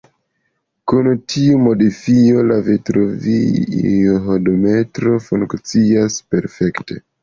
Kun tiu modifo, la Vitruvio-hodometro funkciis perfekte.